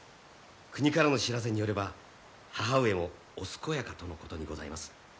国からの知らせによれば母上もお健やかとのことにございます。